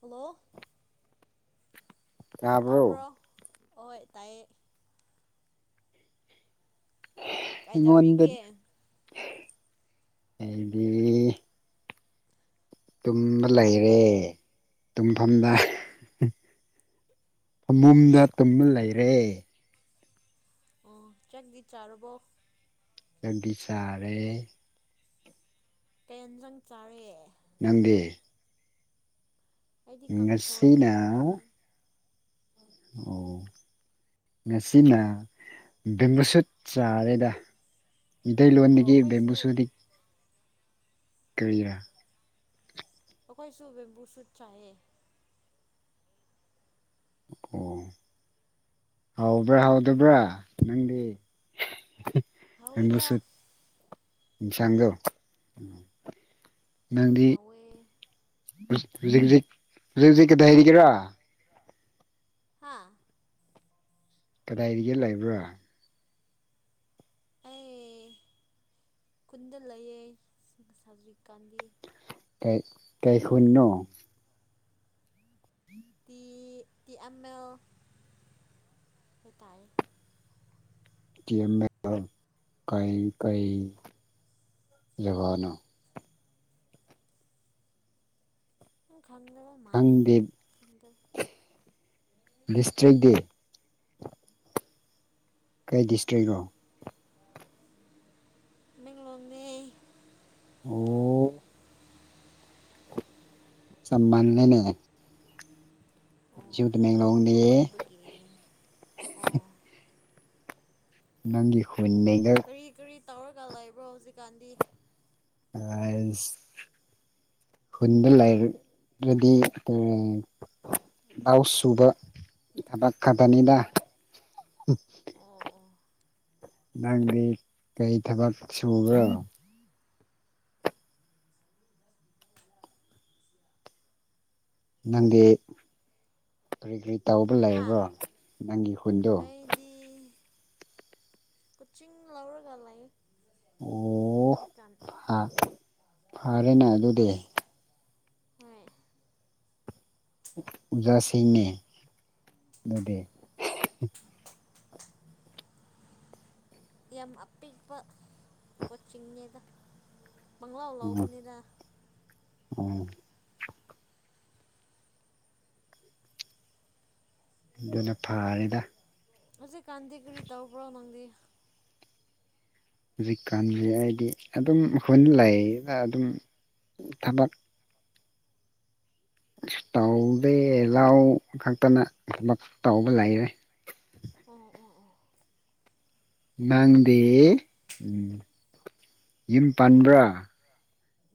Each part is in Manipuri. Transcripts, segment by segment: ꯍꯜꯂꯣ ꯇꯥꯕ꯭ꯔꯣ ꯍꯣꯏ ꯇꯥꯏꯌꯦ ꯑꯩꯉ‌ꯣꯟꯗ ꯀꯩꯗꯧꯔꯤꯒꯦ ꯑꯩꯗꯤ ꯇꯨꯝꯃ ꯂꯩꯔꯦ ꯇꯨꯝꯐꯝꯗ ꯐꯃꯣꯝꯗ ꯇꯨꯝꯅ ꯂꯩꯔꯦ ꯎ ꯆꯥꯛꯇꯤ ꯆꯥꯔꯔꯕꯣ ꯂꯝꯕꯤ ꯁꯥꯔꯦ ꯇ꯭ꯔꯦꯟꯖꯪ ꯆꯥꯔꯛꯑꯦ ꯅꯪꯗꯤ ꯑꯩꯗꯤ ꯀꯥꯡꯐꯣꯏ ꯉꯁꯤꯅ ꯆꯥꯏ ꯑꯣ [inaudible] ꯉꯁꯤꯅ ꯕꯦꯝꯕꯨ ꯁꯠ ꯆꯥꯔꯦꯗ ꯏꯩ ꯑꯣ ꯂꯣꯟꯟꯗꯒꯤ ꯕꯝꯕꯨ ꯑꯩꯈꯣꯏꯁꯨ ꯁꯨꯗꯤ ꯀꯔꯤꯔ ꯑꯩꯈꯣꯏꯁꯨ ꯕꯦꯝꯕꯨ ꯁꯨꯠ ꯆꯥꯏꯌꯦ ꯑꯣ [unintelligible] ꯍꯥꯎꯕ꯭ꯔꯥ ꯍꯥꯎꯗꯕ꯭ꯔꯥ ꯅꯪꯗꯤ ꯍꯥꯎꯋꯤꯗ ꯕꯣꯝꯕꯨꯁꯨꯠ ꯆꯥꯟꯁꯥꯡꯗꯦ ꯍꯥꯎꯋꯦ ꯅꯪꯗꯤꯖꯤꯠ ꯀꯗ ꯍꯥꯏꯔꯤꯒꯦꯔꯥ ꯍꯥꯥ ꯀꯗꯥꯏ ꯌ‌ꯦꯜ ꯂꯩꯕ꯭ꯔꯥ ꯑꯩ ꯀꯨꯟꯗ ꯂꯩꯌꯦ ꯁꯥ ꯖꯤꯀꯥꯟꯗꯤ ꯀꯩ ꯀꯩ ꯈꯨꯟꯅꯣ ꯇꯤ ꯇꯤ ꯑꯦꯝ ꯑꯦ ꯍꯥꯏ ꯇꯥꯏ ꯇꯤ ꯑꯦꯝ ꯑꯦꯜ ꯀꯩ ꯀꯩ ꯖꯒꯅꯣ ꯈꯪꯗ‌ꯦꯗ ꯈꯪꯗꯦ ꯂꯤꯁꯇ꯭ꯔꯤꯗꯤ ꯀꯩ ꯗꯤꯁꯇ꯭ꯔꯤꯛꯅꯣ ꯇꯃꯦꯡꯂꯣꯡꯅꯦ ꯑꯣ [unintelligible] ꯑꯣ ꯑꯩꯁꯨ ꯇꯃꯦꯡꯂꯣꯡꯅꯦ ꯑꯗꯨ ꯑꯣꯏꯣꯏꯕꯒꯤꯅꯤ ꯑꯣ ꯅꯪꯒꯤ ꯈꯨꯟ [unintelligible] ꯀꯔꯤ ꯀꯔꯤ ꯇꯧꯔꯒ ꯂꯩꯕ꯭ꯔꯣ ꯍꯧꯖꯤꯛꯀꯥꯟꯗꯤ [unintelligible] ꯍꯨꯟꯗ ꯂꯩꯥꯏꯔ ꯑꯗꯨꯗꯤ ꯑ ꯂꯧ ꯁꯨꯕ ꯊꯕꯛ ꯈꯛꯇꯅꯤꯗ [unintelligible] ꯑꯣ ꯑꯣ ꯅꯪꯗꯤ ꯀꯩ ꯊꯕꯛ ꯁꯨꯕ꯭ꯔꯣ ꯅꯪꯗꯤ ꯀꯔꯤ ꯀꯔꯤ ꯇꯧꯕ ꯂꯩꯔꯕ꯭ꯔꯣ ꯅꯪꯒꯤ ꯈꯨꯟꯗꯣ ꯗꯤ ꯀꯣꯆꯤꯡ ꯂꯧꯔꯒ ꯂꯥꯏ ꯑꯣ ꯍꯨꯖꯤꯛꯀꯥꯟ ꯐꯔꯦꯅꯦ ꯍꯣꯖ ꯑꯗꯨꯗꯤ ꯍꯣꯏ [unintelligible] ꯑꯗꯨꯗꯤ ꯌꯥꯝ ꯑꯄꯤꯛꯄ ꯀꯣꯆꯤꯡꯅꯤꯗ ꯄꯪꯂꯥꯎ ꯂꯥꯎꯧꯕꯅꯤꯗ ꯑꯣ ꯑꯗꯨꯅ ꯐꯔꯦꯗ ꯍꯧꯖꯤꯛꯀꯥꯟꯗꯤ ꯀꯔꯤ ꯇꯧꯕ꯭ꯔꯣ ꯅꯪꯗꯤ ꯍꯧꯖꯤꯛꯀꯥꯟꯁꯦ ꯍꯥꯏꯗꯤ ꯑꯗꯨꯝ ꯈꯨꯟ ꯂꯩꯅ ꯑꯗꯨꯝ ꯊꯕꯛ ꯇꯧꯗꯦ ꯂꯥꯎ ꯈꯛꯇꯅ ꯊꯕ ꯇꯧꯕ ꯂꯩꯔꯦ ꯑꯣ ꯑꯣ ꯑꯣ ꯅꯪꯗꯤ ꯎꯝ ꯎꯝ ꯌꯨꯝ ꯄꯥꯟꯕ꯭ꯔꯥ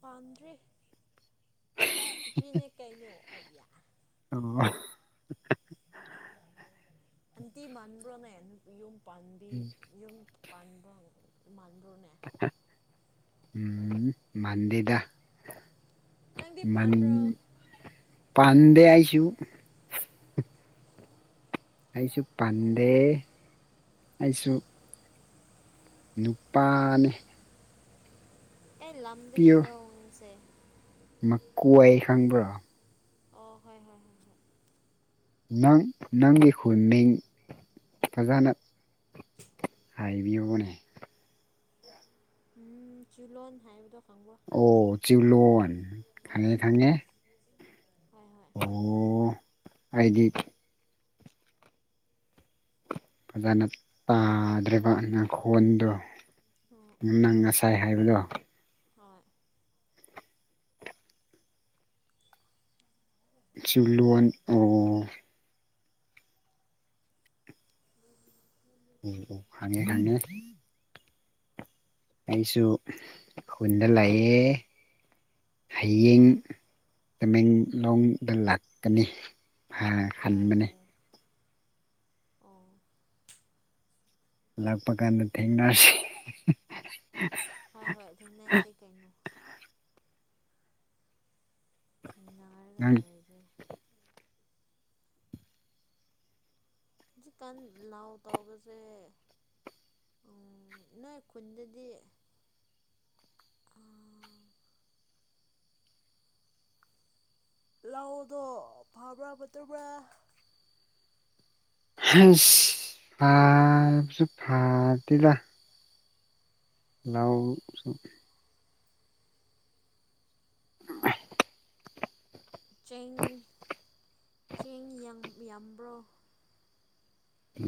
ꯄꯥꯟꯗ꯭ꯔꯤ ꯅꯨꯄꯤꯅꯤ ꯀꯩꯅꯣ ꯑꯩꯌꯥ ꯎꯝ [unintelligible] ꯑꯟꯇꯤ ꯃꯥꯟꯕ꯭ꯔꯣꯅꯦ ꯌꯨꯝ ꯄꯥꯟꯕꯤ ꯌꯨꯝ ꯄꯥꯟꯕ ꯃꯥꯟꯕ꯭ꯔꯣꯅꯦ ꯎꯝ ꯃꯥꯟꯗ‌ꯦꯗ ꯅꯪꯗꯤ ꯃꯅꯤ ꯄꯥꯟꯕ꯭ꯔꯣ ꯑꯣ ꯄꯥꯟꯗꯦ ꯑꯩꯁꯨ ꯑꯩꯁꯨ ꯄꯟꯗꯦ ꯑꯩꯁꯨ ꯅꯨꯄꯥꯅꯤ ꯀꯩ ꯂꯝꯗꯒꯤꯔꯣ ꯅꯪꯁꯦ ꯃꯀꯨ ꯑꯩ ꯈꯪꯕ꯭ꯔꯣ ꯑꯣ ꯍꯣꯏ ꯍꯣꯏ ꯍꯣꯏ ꯅꯪ ꯅꯪꯒꯤ ꯈꯨꯅꯤꯡ ꯐꯖꯅ ꯍꯥꯏꯕꯤꯌ‌ꯣꯅ‌ꯦ ꯎꯝ ꯆꯤꯂꯣꯟ ꯍꯥꯏꯕꯗꯣ ꯈꯪꯕ꯭ꯔꯣ ꯑꯣ ꯆꯤꯂꯣꯟ ꯈꯪꯉꯦ ꯈꯪꯉꯦ ꯍꯣꯏ ꯍꯣꯏ ꯑꯣ ꯑꯩꯗꯤ ꯐꯖꯅ ꯇꯥꯗ꯭ꯔ‌ꯦꯕ ꯅꯈꯣꯟꯗꯣ ꯍꯣꯏ ꯎꯝ ꯅꯪ ꯉꯁꯥꯏ ꯍꯥꯏꯕꯗꯣ ꯍꯣꯏ ꯆꯤꯂꯣꯟ ꯑꯣ ꯑꯣ ꯑꯣ ꯈꯪꯉꯦ ꯈꯪꯉꯦ ꯑꯩꯁꯨ ꯈꯨꯟꯗ ꯂꯩꯌꯦ ꯍꯥꯌꯦꯡ ꯍꯣꯏ ꯇꯃꯦꯡꯂꯣꯡꯗ ꯂꯥꯛꯀꯅꯤ ꯍꯥꯏ ꯍꯟꯕꯅꯦ ꯑꯣ ꯂꯥꯛꯄ ꯀꯥꯟꯗ ꯊꯦꯡꯅꯁꯤ [unintelligible] ꯍꯣꯏ ꯍꯣꯏ ꯊꯦꯡꯅꯁꯤ ꯀꯩꯅꯣ ꯊꯦꯡꯅꯔꯒꯥ [unintelligible] [unintelligible] ꯍꯧꯖꯤꯛꯀꯥꯟ ꯂꯥꯎ ꯇꯧꯕꯁꯦ ꯎꯝ ꯅꯣꯏ ꯈꯨꯟꯗꯗꯤ ꯑꯥ ꯂꯧꯗꯣ ꯐꯕ꯭ꯔꯥ ꯐꯠꯇꯕ꯭ꯔꯥ [unintelligible] ꯐꯥꯕꯁꯨ ꯐꯗꯦꯗ ꯂꯧꯁꯨ ꯆꯦꯡ ꯆꯦꯡ ꯌꯥꯝ ꯌꯥꯝꯕ꯭ꯔꯣ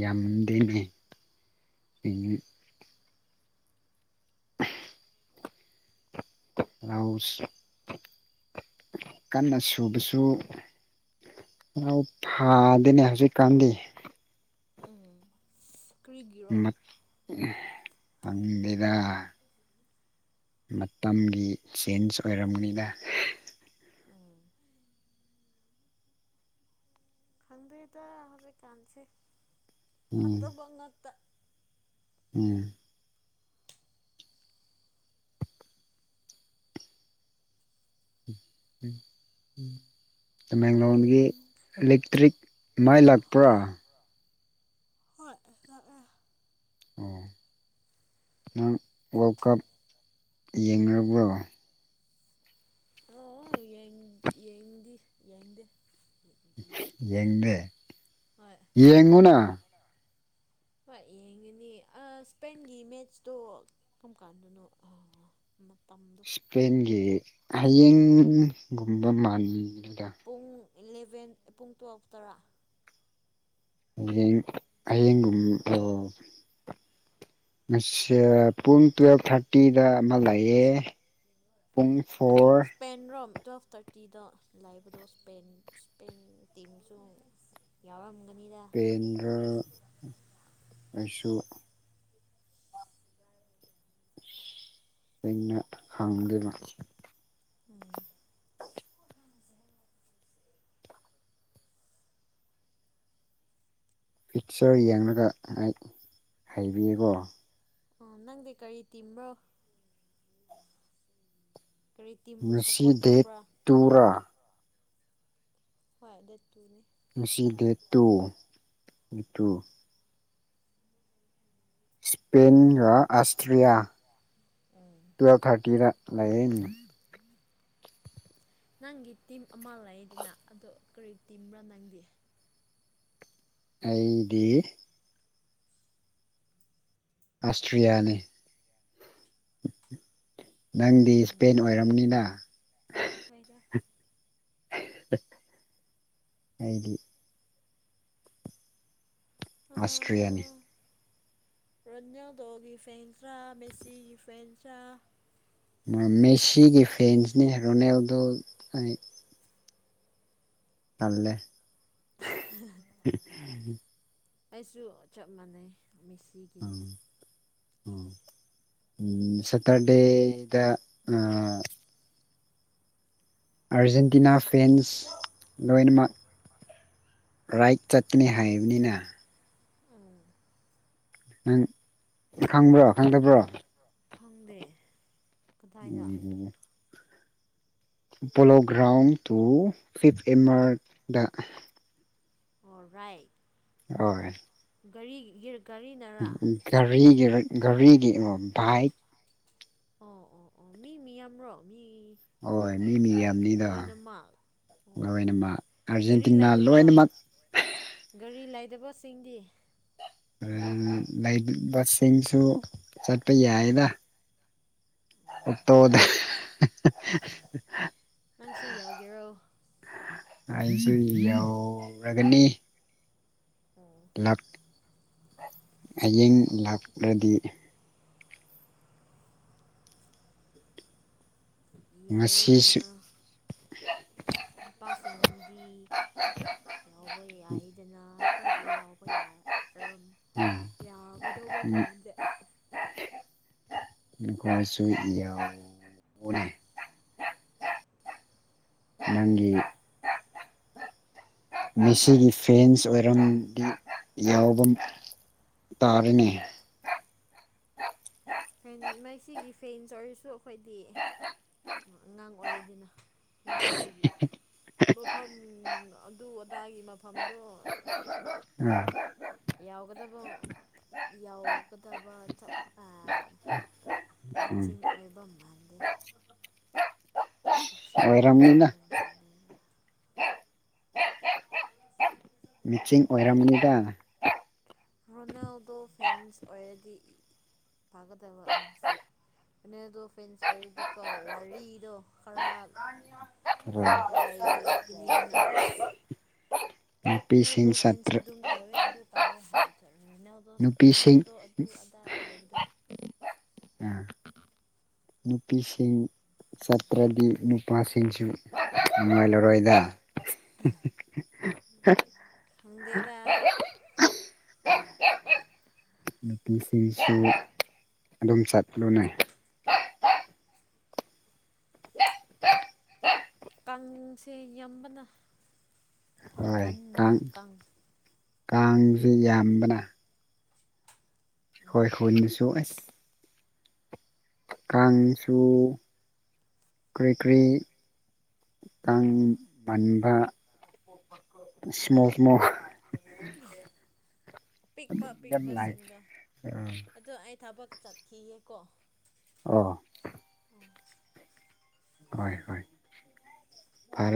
ꯌꯥꯝꯗꯦꯅꯦ ꯑꯩꯅ [unintelligible] [unintelligible] ꯀꯟꯅ ꯁꯨꯕꯁꯨ ꯂꯧ ꯐꯥꯟ ꯑꯗꯨꯅꯦ ꯍꯧꯖꯤꯛꯀꯥꯟꯗꯤ ꯎꯝ [unintelligible] ꯃꯠ [unintelligible] ꯄꯪꯗ‌ꯦꯗ ꯃꯇꯝꯒꯤ ꯆꯦꯟꯖ ꯑꯣꯏꯔꯝꯅꯤꯗ ꯎꯝ ꯈꯪꯗꯦꯗ ꯍꯧꯖꯤꯛꯀꯥꯟꯁꯦ ꯎꯝ ꯐꯠꯇꯕ ꯉꯥꯠꯇ ꯎꯝ ꯇꯃꯦꯡꯂꯣꯡꯒꯤ ꯎꯝ ꯏꯂꯦꯛꯇ꯭ꯔꯤꯛ ꯃꯩ ꯂꯥꯛꯄ꯭ꯔꯥ ꯍꯣꯏ [unintelligible] ꯑꯣ ꯅꯪ ꯋꯥꯔ꯭ꯂꯗ ꯀꯞ ꯌꯦꯡꯅꯕ꯭ꯔꯣ ꯑꯣ ꯌꯦ ꯌꯦꯡꯗꯤ ꯌꯦꯡꯗꯦ [unintelligible] ꯌꯦꯡꯗꯦ ꯍꯣꯏ ꯌꯦꯡꯉꯨꯅ ꯍꯣꯏ ꯌꯦꯡꯉꯤꯅꯤ ꯏꯁꯄꯦꯟꯒꯤ ꯃꯦꯠꯁꯇꯣ ꯀꯔꯝ ꯀꯥꯟꯗꯅꯣ ꯑ ꯃꯇꯝꯗꯣ ꯏꯁꯄꯦꯟꯒꯤ ꯍꯌꯦꯡꯒꯨꯝꯕ ꯃꯥꯟꯂꯤꯗ ꯄꯨꯡ ꯏꯂꯦꯕꯦꯟ ꯄꯨꯡ ꯇ꯭ꯌꯦꯦꯜꯐ ꯇꯔꯥ ꯍꯌꯦꯡ ꯍꯌꯦꯡꯒꯨꯝ ꯑꯣ ꯉꯁꯤ ꯄꯨꯡ ꯇꯨꯋꯦꯜꯐ ꯊꯥꯔꯇꯤꯗ ꯑꯃꯥ ꯂꯩꯌꯦ ꯄꯨꯡ ꯐꯣꯔ ꯁ꯭ꯄꯦꯟ ꯔꯣ ꯇꯨꯋꯦꯜꯐ ꯊꯥꯔꯇꯤꯗ ꯂꯥꯏꯕꯗꯣ ꯁ꯭ꯄꯦꯟ ꯁ꯭ꯄꯦꯟ ꯇꯤꯝꯁꯨ ꯌꯥꯎꯔꯝꯒꯅꯤꯗ ꯄꯦꯟꯔ ꯑꯩꯁꯨ ꯑꯩꯅ ꯍꯥꯡꯗꯕ ꯎꯝ ꯄꯣꯠ ꯊꯥꯡꯒꯨꯁꯦ ꯄꯤꯛꯆꯔ ꯌꯦꯡꯂꯒ ꯍꯥꯏ ꯍꯥꯏꯕꯤꯌꯨꯀꯣ ꯑꯣ ꯅꯪꯗꯤ ꯀꯔꯤ ꯇꯤꯝꯔꯣ ꯀꯔꯤ ꯇꯤꯝꯕꯨ ꯉꯁꯤ ꯁꯞꯄꯣꯔꯠ ꯗꯦꯠ ꯇꯧꯕ꯭ꯔꯥ ꯇꯨꯔꯥ ꯍꯣꯏ ꯗ ꯇꯨꯅꯦ ꯉꯁꯤꯗ ꯇꯨ ꯇꯨ ꯏꯁꯄꯦꯟ ꯔ ꯑꯁꯇ꯭ꯔꯤꯂꯤꯌꯥ ꯇꯨꯋꯦꯜꯕ ꯊꯥꯔꯇꯤꯗ ꯂꯩ ꯅꯪꯒꯤ ꯇꯤꯝ ꯑꯃꯥ ꯂꯩꯗꯅ ꯑꯗꯣ ꯀꯔꯤ ꯇꯤꯝꯔ ꯅꯪꯗꯤ ꯑꯩꯗꯤ ꯑꯁꯇ꯭ꯔꯤꯌꯥꯅꯤ ꯅꯪꯗꯤ ꯎꯝ ꯁ꯭ꯄꯦꯟ ꯑꯣꯏꯔꯝꯅꯤꯅ ꯍꯣꯏꯗ ꯍꯥꯏꯗꯤ ꯑꯁꯇ꯭ꯔꯔꯤꯂꯤꯌꯥꯌꯥꯅꯤ ꯔꯟꯖꯟꯗꯣꯒꯤ ꯐꯦꯟꯗ꯭ꯔꯥ ꯃꯦꯁꯤꯒꯤ ꯐꯦꯟ ꯇ꯭ꯔꯥ ꯃꯦꯁꯤꯒꯤ ꯐꯦꯟꯁꯅꯤ ꯔꯣꯅꯦꯜꯗꯨ ꯑꯂꯦ ꯑꯩꯁꯨ ꯆꯞ ꯃꯥꯟꯅꯩ ꯃꯤꯦꯁꯤꯒꯤꯅꯦ ꯎꯝ ꯎꯝ ꯁꯦꯇꯔꯗꯦꯗ ꯑ ꯑꯥꯔꯖꯦꯟꯇꯤꯅꯥ ꯐ꯭ꯔꯦꯟꯁ ꯂꯣꯏꯅꯃꯛ ꯔꯥꯏꯠ ꯆꯠꯀꯅꯤ ꯍꯥꯏꯕꯅꯤꯅ ꯎꯝ ꯅꯪ ꯈꯪꯕ꯭ꯔꯣ ꯈꯪꯗꯕ꯭ꯔꯣ ꯈꯪꯗꯦ ꯀꯗꯥꯏꯗ ꯎꯝ ꯎ ꯄꯣꯂꯣ ꯒ꯭ꯔꯥꯎꯟ ꯇꯨ ꯐꯤꯞ ꯑꯦꯝ ꯑꯥꯔꯗ ꯑꯣꯜ ꯔꯥꯏꯠ ꯍꯣꯏ ꯒꯥꯔꯤ ꯌꯦꯔ ꯒꯥꯔꯤꯒꯤ ꯒꯥꯔꯤꯒꯤ ꯕꯥꯏꯀ ꯑꯣ ꯑꯣ ꯑꯣ ꯃꯤ ꯃꯤꯌꯥꯝꯔꯣ ꯃꯤ ꯍꯣꯏ ꯃꯤ ꯃꯤ ꯌꯥꯝꯅꯤꯗ ꯂꯣꯏꯅꯃꯛ ꯑꯣ ꯂꯣꯏꯅꯃꯛ ꯒꯥꯔꯤ ꯑꯥꯔꯖꯦꯟꯇꯤꯅꯥ ꯂꯩꯇꯕ ꯂꯣꯏꯅꯃꯛ ꯒꯥꯔꯤ ꯂꯩꯗꯕꯁꯤꯡꯗꯤ ꯂꯩ ꯕꯁꯤꯡꯁꯨ ꯆꯠꯄ ꯌꯥꯏꯗ ꯑꯇꯣꯗ ꯅꯪꯁꯨ ꯌꯥꯎꯒꯦꯔꯣ ꯑꯩꯁꯨ ꯌꯥꯎꯒꯅꯤ ꯑ‌ꯣ ꯍꯌꯦꯡ ꯂꯥꯛꯂꯗꯤ ꯉꯁꯤꯁꯨ ꯌꯥꯎꯔꯧꯗꯅ ꯅꯨꯄꯥꯁꯤꯡꯗꯤ [unintelligible] ꯌꯥꯎꯕ ꯌꯥꯏꯗꯅ ꯑꯩꯈꯣꯏꯗꯤ ꯌꯥꯎꯕ ꯌꯥꯔꯝ ꯌꯥꯕ ꯑ ꯇꯧꯕ ꯃꯥꯟꯁꯦ [unintelligible] ꯅꯪꯒꯤ ꯃꯦꯁꯤꯒꯤ ꯐꯦꯟꯁ ꯑꯣꯏꯔꯝꯗꯤ ꯌꯥꯎꯕꯝ ꯇꯥꯔꯅꯦ ꯐꯦꯟ ꯃꯁꯤꯒꯤ ꯐꯦꯟ ꯆꯧꯔꯁꯨ ꯑꯩꯈꯣꯏꯗꯤ ꯑꯉꯥꯡ ꯑꯣꯏꯗꯅ ꯉꯍꯥ ꯑꯣꯏꯕꯒꯤ ꯃꯐꯝ ꯑꯗꯨ ꯑꯗꯥꯒꯤ ꯃꯐꯝꯗꯣ ꯎꯝ ꯌꯥꯎꯒꯗꯕ ꯌꯥꯎꯒꯗꯕ ꯎꯝ ꯃꯦꯠꯆꯤꯡ ꯑꯣꯏꯕ ꯃꯥꯟꯗꯦ ꯀꯆꯤꯡ ꯇꯧꯅ ꯑꯣꯏꯔꯝꯅꯤꯅ ꯂꯩꯃ [inaudible] ꯃꯦꯆꯤꯡ ꯑꯣꯏꯔꯝꯅꯤꯗ ꯔꯣꯅꯥꯜꯗꯣ ꯐꯦꯟꯁ ꯑꯣꯏꯔꯗꯤ ꯄꯥꯒꯗꯕ ꯅꯪꯁꯦ ꯑꯅꯤꯗꯣ ꯐꯦꯟꯁ ꯑꯣꯏꯔꯗꯤꯀꯣ ꯋꯥꯔꯤꯗꯣ ꯈꯔ ꯑ ꯍꯋꯥꯏ ꯅꯤꯗꯟꯅ [unintelligible] ꯒꯣ ꯅꯨꯄꯤꯁꯤꯡ ꯐꯦꯟꯁ ꯁꯥꯇ꯭ꯔ ꯑꯗꯨꯨꯝ ꯇꯧꯋꯦ ꯑꯗꯨ ꯇꯧꯋꯦ ꯍꯥꯏꯕꯗꯣ ꯔꯣꯅꯥꯜꯗꯣ ꯅꯨꯄꯤꯁꯤꯡ ꯔꯣꯅꯥꯜꯗꯣ ꯑꯗꯨ ꯑꯗꯥ ꯍꯥꯏꯕꯗꯣ ꯑꯥ ꯅꯨꯄꯤꯁꯤꯡ ꯆꯠꯇ꯭ꯔꯗꯤ ꯅꯨꯄꯥꯁꯤꯡꯁꯨ ꯅꯨꯡꯉꯥꯏꯂꯔꯣꯏꯗ ꯑꯥ ꯈꯪꯗꯦꯗ ꯅꯨꯄꯤꯁꯤꯡꯁꯨ ꯑꯗꯨꯝ ꯆꯠꯂꯣꯅꯩ ꯀꯥꯡꯁꯦ ꯌꯥꯝꯕꯅ ꯌꯥꯝꯃꯟꯕꯅ ꯀꯥꯡ ꯀꯥꯡꯁꯨ ꯌꯥꯝꯕꯅ ꯑꯩꯈ‌ꯣꯏ ꯎꯝ ꯈꯨꯟꯗꯁꯨ ꯑꯁ ꯀꯥꯡꯁꯨ ꯀ꯭ꯔꯤ ꯀ꯭ꯔꯤ ꯇꯟ ꯄꯟꯕ ꯁ꯭ꯃꯣꯛ ꯃꯣꯛ [unintelligible] ꯑꯄꯤꯛꯄ ꯌꯥꯝ ꯂꯥꯛꯑꯦ ꯑꯄꯤꯛꯄꯁꯤꯡꯗ ꯑꯗꯣ ꯑꯩ ꯊꯕꯛ ꯆꯠꯈꯤꯒ‌ꯦꯀꯣ ꯑ‌ꯣ ꯑ‌ꯣ ꯍꯣꯏ ꯍꯣꯏ ꯐꯔꯦ